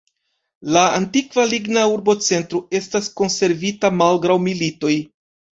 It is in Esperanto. La antikva ligna urbocentro estas konservita malgraŭ militoj.